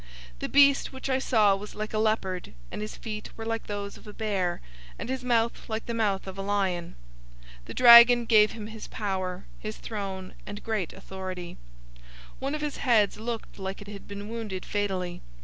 013:002 The beast which I saw was like a leopard, and his feet were like those of a bear, and his mouth like the mouth of a lion. The dragon gave him his power, his throne, and great authority. 013:003 One of his heads looked like it had been wounded fatally.